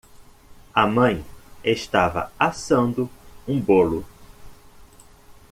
A mãe estava assando um bolo.